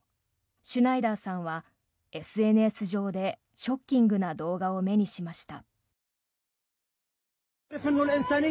シュナイダーさんはＳＮＳ上でショッキングな動画を目にしました。